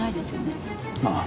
ああ。